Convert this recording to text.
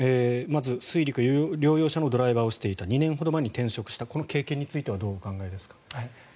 まず水陸両用車のドライバーをしていた２年ほど前に転職したこの経験についてはどうお考えですか？